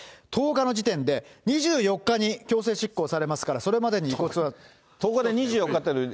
１０日の時点で２４日に強制執行されますから、それまでに遺骨を引き取ってほしい。